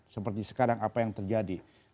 seperti sekarang apa yang terjadi